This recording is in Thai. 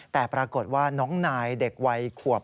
แต่ปรากฏว่าน้องนายเด็กวัยขวบ